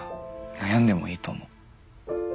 悩んでもいいと思う。